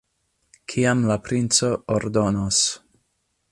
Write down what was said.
Kiam la princo ordonos.